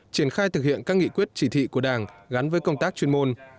triển khai thực hiện các nghị quyết chỉ thị của đảng gắn với công tác chuyên môn